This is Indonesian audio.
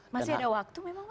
masih ada waktu memang